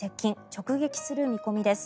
直撃する見込みです。